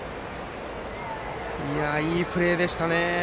いいプレーでしたね。